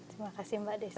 terima kasih mbak desi